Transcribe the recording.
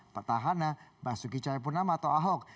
petahana basuki cahayapurnama atau ahok